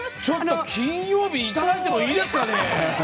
ちょっと金曜日いただいてもいいですかね？